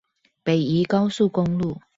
北宜高速公路